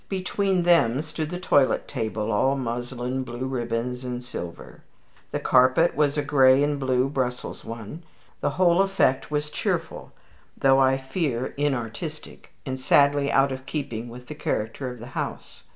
Between them stood the toilet table, all muslin, blue ribbons, and silver. The carpet was a gray and blue Brussels one. The whole effect was cheerful, though I fear inartistic, and sadly out of keeping with the character of the house.